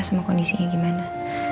semua kondisinya gimana